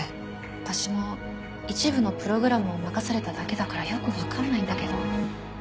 私も一部のプログラムを任されただけだからよく分かんないんだけど。